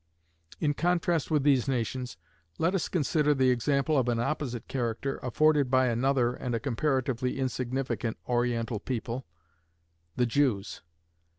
In contrast with these nations, let us consider the example of an opposite character afforded by another and a comparatively insignificant Oriental people the Jews.